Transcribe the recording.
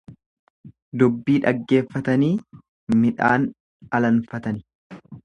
Dubbii dhaggeeffatanii midhaan alanfatani.